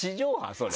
それ。